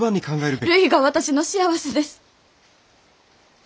るいが私の幸せです。